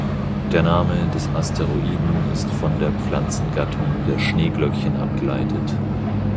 Der Name des Asteroiden ist von der Pflanzengattung der Schneeglöckchen abgeleitet.